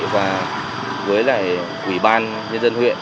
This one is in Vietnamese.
với lại quỷ ban nhân dân huyện